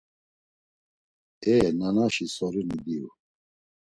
E nanaşi soruni diyu.